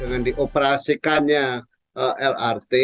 dengan dioperasikannya lrt